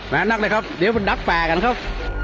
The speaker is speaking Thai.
มานักเลยครับเดี๋ยวดับแปลกันครับ